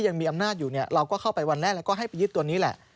ยังมีอำนาจอยู่เนี่ยเราก็เข้าไปวันแรกแล้วก็ให้ไปยึดตัวนี้แหละ